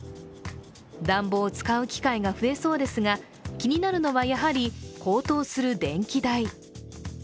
暖房を使う機会が増えそうですが気になるのはやはり高騰する電気代。